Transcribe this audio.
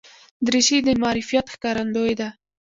دریشي د معرفت ښکارندوی ده.